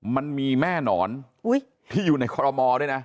มันมีแม่หนอนที่อยู่ในคอรมอลด้วยนะ